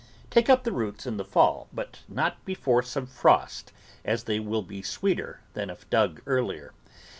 Take up the roots in the fall, but not before some frost, as they will be sweeter than if dug earlier.